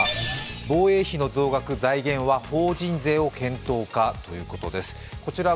防衛費の増額、財源は法人税を検討かということです。